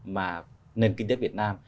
mà nền kinh tế việt nam